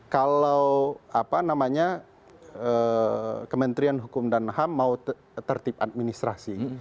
kalau apa namanya kementerian hukum dan ham mau tertib administrasi